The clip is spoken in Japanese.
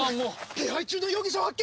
手配中の容疑者を発見！